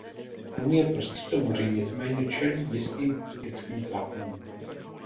Unie pro Středomoří nicméně čelí jistým politickým tlakům.